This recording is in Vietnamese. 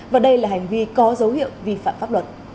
và đây là hành vi có dấu hiệu vi phạm pháp luật